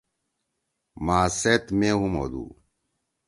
ماس سیت مے ہُم ہودُو۔